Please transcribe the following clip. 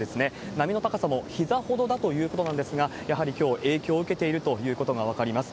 波の高さもひざほどだということなんですが、やはりきょう、影響を受けているということが分かります。